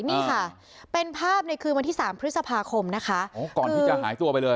นี่ค่ะเป็นภาพในคืนวันที่สามพฤษภาคมนะคะอ๋อก่อนที่จะหายตัวไปเลย